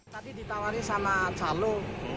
tadi ditawari sama calu